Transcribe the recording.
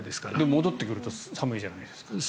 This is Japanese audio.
戻ってくると寒いじゃないですか。